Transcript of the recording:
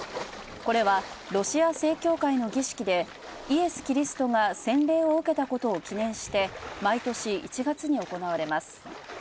これはロシア正教会の儀式でイエス・キリストが洗礼を受けたことを記念して毎年１月に行われます。